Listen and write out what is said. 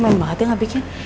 temen banget ya ngebikin